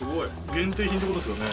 限定品ってことですよね？